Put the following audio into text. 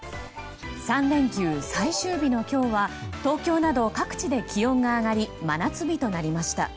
３連休最終日の今日は東京など各地で気温が上がり真夏日となりました。